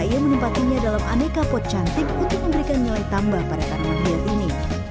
ia menempatinya dalam aneka pot cantik untuk memberikan nilai tambah pada tanaman hill ini